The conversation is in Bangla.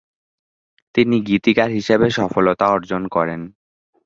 তিনি গীতিকার হিসেবে সফলতা অর্জন করেন।